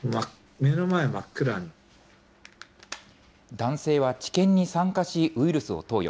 男性は治験に参加し、ウイルスを投与。